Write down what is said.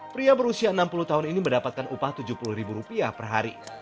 pria berusia enam puluh tahun ini mendapatkan upah tujuh puluh ribu rupiah per hari